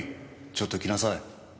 ちょっと来なさい。